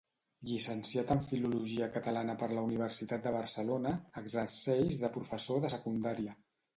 Llicenciat en Filologia Catalana per la Universitat de Barcelona, exerceix de professor de Secundària.